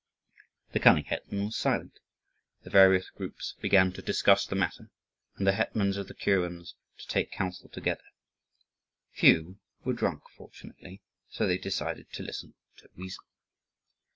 The cunning hetman was silent. The various groups began to discuss the matter, and the hetmans of the kurens to take counsel together; few were drunk fortunately, so they decided to listen to reason.